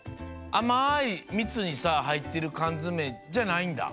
あまいみつにさはいってるかんづめじゃないんだ？